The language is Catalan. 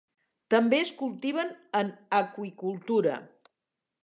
També es cultiven en aqüicultura.